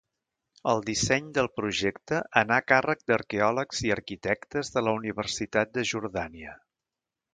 El disseny del projecte anà a càrrec d'arqueòlegs i arquitectes de la Universitat de Jordània.